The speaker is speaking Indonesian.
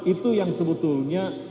itu yang sebetulnya berhasil